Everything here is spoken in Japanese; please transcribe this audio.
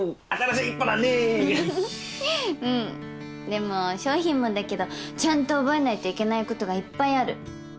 でも商品もだけどちゃんと覚えないといけないことがいっぱいある。